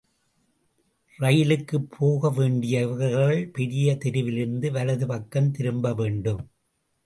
ரயிலுக்குப் போகவேண்டியவர்கள் பெரிய தெருவிலிருந்து வலது பக்கம் திரும்பவேண்டும்.